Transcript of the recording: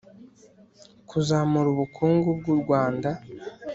kuzamura ubukungu bw'u rwanda.